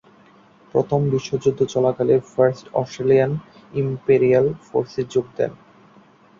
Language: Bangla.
প্রথম বিশ্বযুদ্ধ চলাকালে ফার্স্ট অস্ট্রেলিয়ান ইম্পেরিয়াল ফোর্সে যোগ দেন।